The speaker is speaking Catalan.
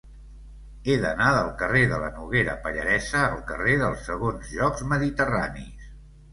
He d'anar del carrer de la Noguera Pallaresa al carrer dels Segons Jocs Mediterranis.